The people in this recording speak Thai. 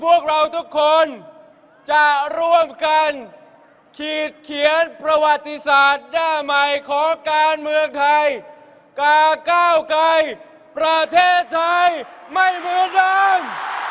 พวกเราทุกคนจะร่วมกันขีดเขียนประวัติศาสตร์หน้าใหม่ของการเมืองไทยกาก้าวไกรประเทศไทยไม่เหมือนเดิม